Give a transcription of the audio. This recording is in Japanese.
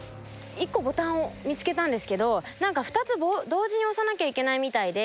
１個ボタンを見つけたんですけど２つ同時に押さなきゃいけないみたいで。